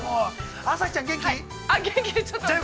朝日ちゃん、元気？